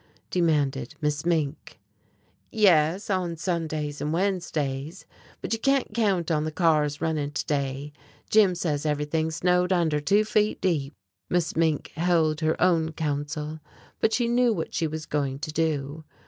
demanded Miss Mink. "Yes, on Sundays and Wednesdays. But you can't count on the cars running to day. Jim says everything's snowed under two feet deep." Miss Mink held her own counsel but she knew what she was going to do.